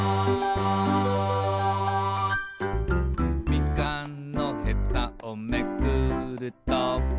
「みかんのヘタをめくると」